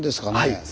はい。